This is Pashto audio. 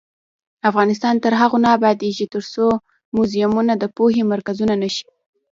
افغانستان تر هغو نه ابادیږي، ترڅو موزیمونه د پوهې مرکزونه نشي.